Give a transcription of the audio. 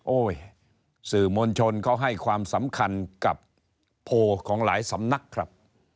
สื่อมวลชนเขาให้ความสำคัญกับโพลของหลายสำนักครับ